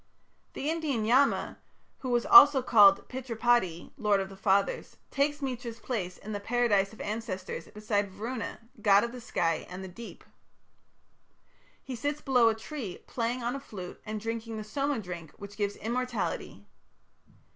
The Indian Yama, who was also called Pitripati, "lord of the fathers", takes Mitra's place in the Paradise of Ancestors beside Varuna, god of the sky and the deep. He sits below a tree, playing on a flute and drinking the Soma drink which gives immortality.